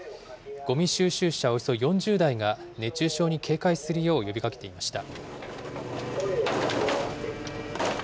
ごみ収集車およそ４０台が、熱中症に警戒するよう呼びかけていました。